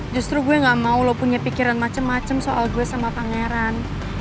justru gue gak mau loh punya pikiran macem macem soal gue sama pangeran